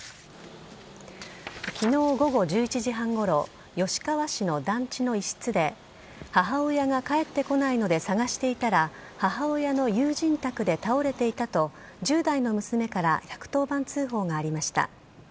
昨日午後１１時半ごろ吉川市の団地の一室で母親が帰ってこないので探していたら母親の友人宅で倒れていたと１０代の娘から１１０番通報がありました。